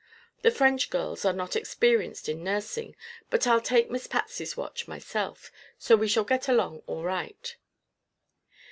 The French girls are not experienced in nursing, but I'll take Miss Patsy's watch myself, so we shall get along all right."